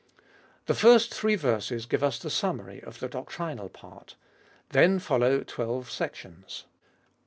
The first three verses give us the summary of the doctrinal part. Then follow twelve sections.